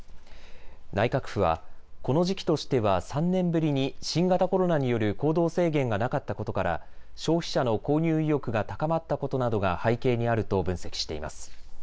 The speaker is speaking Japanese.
内閣府はこの時期としては３年ぶりに新型コロナによる行動制限がなかったことから消費者の購入意欲が高まったことなどが背景にあると分析しています。